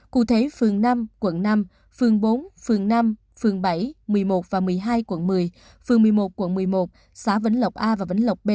cụ thể phường năm quận năm phường bốn phường năm phường bảy một mươi một và một mươi hai quận một mươi phường một mươi một quận một mươi một xã vĩnh lộc a và vĩnh lộc b